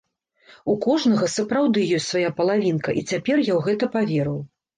У кожнага сапраўды ёсць свая палавінка, і цяпер я ў гэта паверыў.